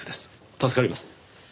助かります。